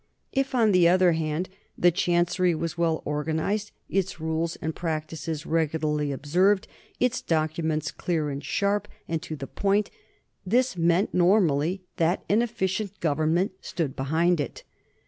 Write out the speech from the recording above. If, on the other hand, the chancery was well organized, its rules and practices THE NORMAN EMPIRE 97 regularly observed, its documents clear and sharp and to the point, this meant normally that an efficient govern ment stood behind it.